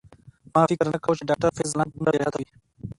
ما فکر نه کاوه چی ډاکټر فیض ځلاند به دومره بیغیرته وی